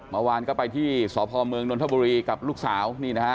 เมื่อวานก็ไปที่สพเมืองนนทบุรีกับลูกสาวนี่นะฮะ